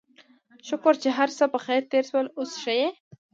شکر چې هرڅه پخير تېر شول، اوس ښه يې؟